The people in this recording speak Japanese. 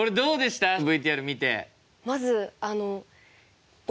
ＶＴＲ見て。